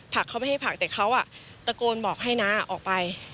เขาไม่ให้ผักแต่เขาตะโกนบอกให้น้าออกไป